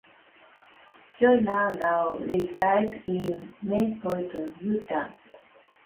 Joyner now resides in Mapleton, Utah.